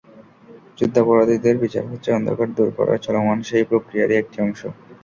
যুদ্ধাপরাধীদের বিচার হচ্ছে অন্ধকার দূর করার চলমান সেই প্রক্রিয়ারই একটি অংশ।